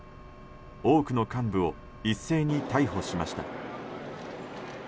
多くの幹部を一斉に逮捕しました。